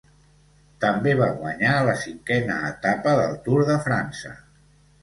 També va guanyar la cinquena etapa del Tour de França.